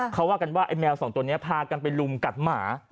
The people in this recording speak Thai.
เขาว่ากันว่าไอ้แมวสองตัวนี้พากันไปลุมกัดหมา